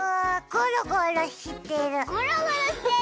ゴロゴロしてる！